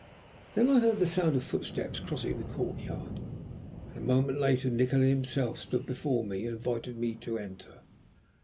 Then I heard the sound of footsteps crossing the courtyard, and a moment later Nikola himself stood before me and invited me to enter.